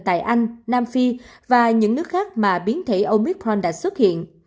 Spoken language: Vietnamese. tại anh nam phi và những nước khác mà biến thể omithon đã xuất hiện